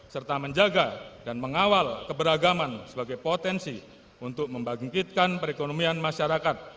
serta menjaga dan mengawal keberagaman sebagai potensi untuk membangkitkan perekonomian masyarakat